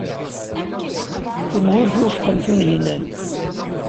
Kenwi ur twufqem Tunhinan.